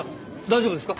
大丈夫ですか？